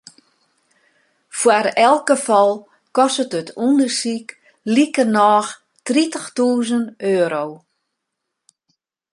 Foar elk gefal kostet it ûndersyk likernôch tritichtûzen euro.